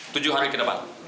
tujuh hari ke depan